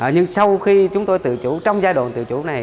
nhưng sau khi chúng tôi tự chủ trong giai đoạn tự chủ này